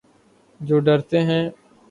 جو ڈرتے ہیں